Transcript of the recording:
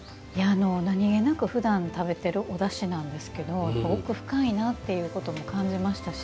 何気なくふだん食べているおだしなんですけれども奥が深いなということも感じましたし